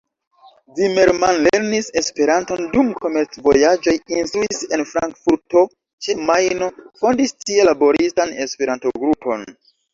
Zimmermann lernis Esperanton dum komerc-vojaĝoj, instruis en Frankfurto ĉe Majno, fondis tie laboristan Esperanto-grupon.